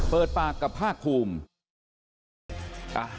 เปิดปากกับภาคภูมิ